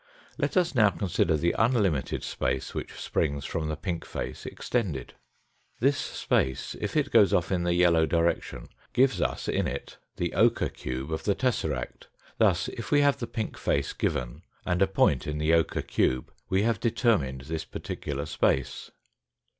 Let us now consider the unlimited space which springs from the pink face extended. This space, if it goes off in the yellow direction, gives us in it the ochre cube of the tesseract. Thus, if we have the pink face given and a point in the ochre cube, we have determined this particular space.